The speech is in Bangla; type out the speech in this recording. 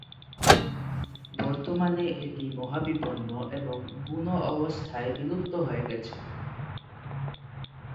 বর্তমানে এটি মহাবিপন্ন এবং বুনো অবস্থায় বিলুপ্ত হয়ে গেছে।